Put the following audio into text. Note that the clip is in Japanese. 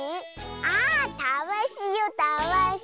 あたわしよたわし。